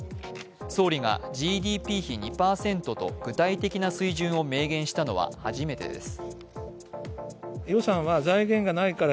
総理がＧＤＰ比２％と具体的な水準を明言したのは初めてです。